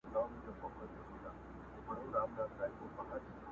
نیمه شپه روان د خپل بابا پر خوا سو،